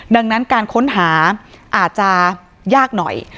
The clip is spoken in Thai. ดังนั้นการค้นหาอาจจะยากหน่อย